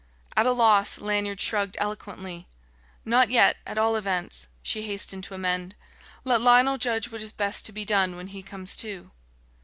At a loss, Lanyard shrugged eloquently. "Not yet, at all events," she hastened to amend. "Let Lionel judge what is best to be done when he comes to."